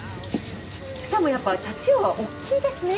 しかもやっぱ太刀魚は大きいですね。